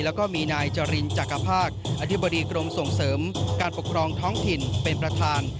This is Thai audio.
แล้วก็มีนายจรินจักรภาคอธิบดีกรมส่งเสริมการปกครองท้องถิ่นเป็นประธาน